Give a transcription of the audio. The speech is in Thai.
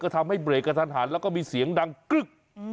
ทำให้เบรกกระทันหันแล้วก็มีเสียงดังกึ๊ก